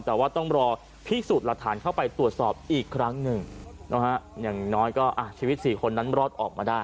แต่ว่าต้องรอพิสูจน์หลักฐานเข้าไปตรวจสอบอีกครั้งหนึ่งนะฮะอย่างน้อยก็อ่ะชีวิตสี่คนนั้นรอดออกมาได้